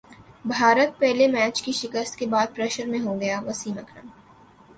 بھارت پہلے میچ کی شکست کے بعد پریشر میں ہوگاوسیم اکرم